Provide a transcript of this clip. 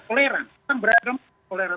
toleran orang beragama harus toleran